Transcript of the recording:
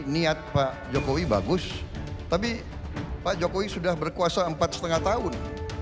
niat pak jokowi bagus tapi pak jokowi sudah berkuasa empat lima tahun